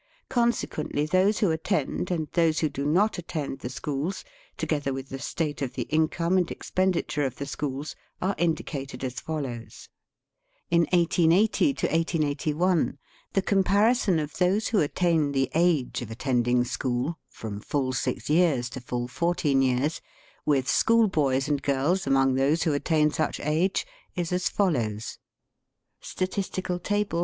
Conse quently those who attend, and those who do not attend, the schools, together with the state of the income and expenditure of the schools, are indicated as follows. In 1880 81 the comparison of those who attain the age of attending school (from full six years to full fourteen years) with school boys and girls among those who attain such age is as follows :— Digitized by VjOOQIC THE NEW' EMFIBE IN THE WEST.